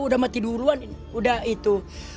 udah mati duluan udah itu